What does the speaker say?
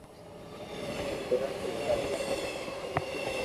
ڀيرا ڪري ڪاڌيا ھين ماري زرچي